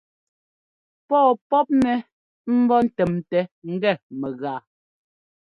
Pɔ̂ɔ pɔ́pnɛ ḿbó ńtɛ́mtɛ ngɛ mɛgaa.